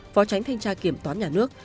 phó tránh thanh tra kiểm toán nhà nước